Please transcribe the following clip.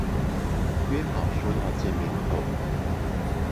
約好說要見面後